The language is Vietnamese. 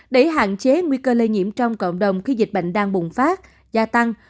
để hạn chế nguy cơ lây nhiễm trong cộng đồng khi dịch bệnh đang bùng phát gia tăng